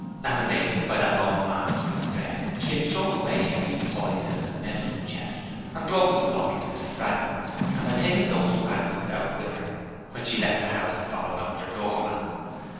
Animated by that all mastering dread, she had thrown away every poison in the medicine chest had broken the bottles into fragments and had taken those fragments out with her, when she left the house to follow Doctor Dormann.